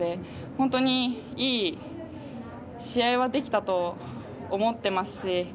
本当にいい試合はできたと思っていますし。